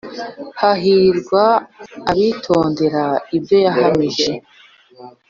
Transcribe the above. Hahirwa abitondera ibyo yahamije